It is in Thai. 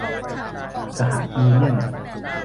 สหยูเนี่ยน